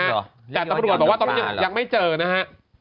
แต่ตำรวจบอกว่าตอนนี้ยังไม่เจอนะฮะ